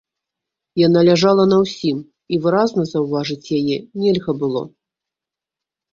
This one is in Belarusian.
Яна ляжала на ўсім, і выразна заўважыць яе нельга было.